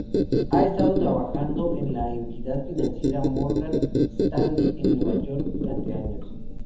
Ha estado trabajando en la entidad financiera Morgan Stanley, en Nueva York, durante años.